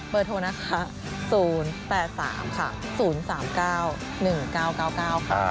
เบอร์โทรนะคะ๐๘๓๐๓๙๑๙๙๙ค่ะ